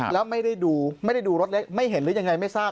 แล้วไม่ได้ดูไม่ได้ดูรถเล็กไม่เห็นหรือยังไงไม่ทราบ